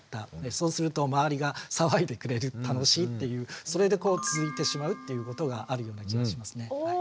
そうすると周りが騒いでくれる楽しいっていうそれで続いてしまうっていうことがあるような気はしますね。